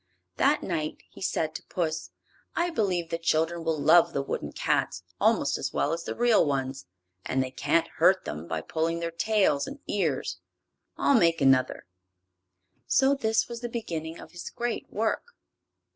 That night he said to puss: "I believe the children will love the wooden cats almost as well as the real ones, and they can't hurt them by pulling their tails and ears. I'll make another." So this was the beginning of his great work.